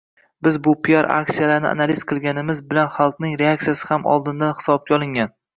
Biz bu piar aksiyalarni analiz qilganimiz bilan xalqning reaksiyasi ham oldindan hisobga olingan.